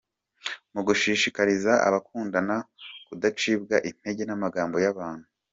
mu gushishikariza abakundana kudacibwa intege n’amagambo y’abantu